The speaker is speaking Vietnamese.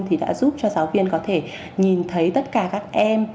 thì đã giúp cho giáo viên có thể nhìn thấy tất cả các em